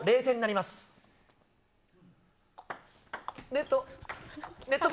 ネットか。